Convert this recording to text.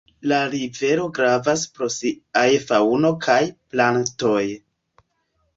La rivero gravas pro siaj faŭno kaj plantoj.